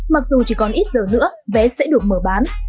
mặc dù chỉ còn ít giờ nữa vé sẽ được mở bán